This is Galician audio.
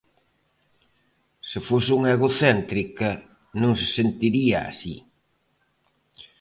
Se fose unha egocéntrica, non se sentiría así.